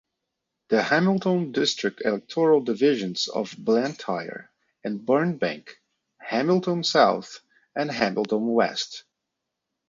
The Hamilton District electoral divisions of Blantyre and Burnbank, Hamilton South, and Hamilton West.